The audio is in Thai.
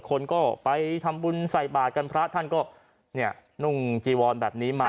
คนก็ไปทำบุญใส่บาทกันพระท่านก็เนี่ยนุ่งจีวอนแบบนี้มา